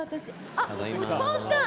あっお父さん！